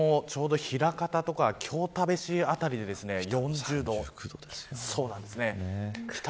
今日もちょうど枚方とか京田辺市辺りで４０度。